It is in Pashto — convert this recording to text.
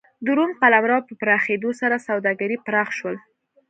د روم قلمرو په پراخېدو سره سوداګري پراخ شول.